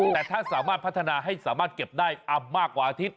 แต่ถ้าสามารถพัฒนาให้สามารถเก็บได้อำมากกว่าอาทิตย